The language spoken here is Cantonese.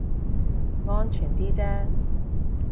安全啲啫